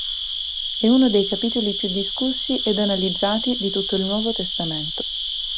È uno dei capitoli più discussi ed analizzati di tutto il Nuovo Testamento.